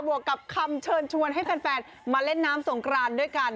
วกกับคำเชิญชวนให้แฟนมาเล่นน้ำสงกรานด้วยกัน